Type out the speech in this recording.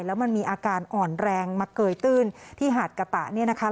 แล้วมันมีอาการอ่อนแรงมาเกยตื้นที่หาดกะตะเนี่ยนะคะ